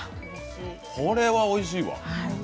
これはおいしい！